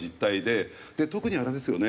特にあれですよね。